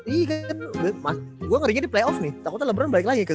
ih kan gue ngerinya di playoff nih takutnya lebron balik lagi ke tn